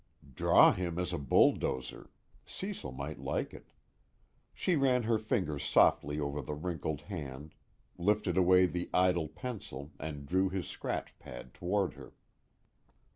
Draw him as a bulldozer Cecil might like it. She ran her fingers softly over the wrinkled hand, lifted away the idle pencil and drew his scratch pad toward her.